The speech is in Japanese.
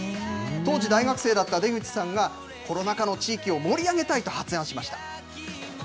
当時、大学生だった出口さんが、コロナ禍の地域を盛り上げたいと発案しました。